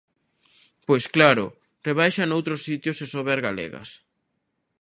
Pois, claro, rebaixa noutros sitios e sobe as galegas.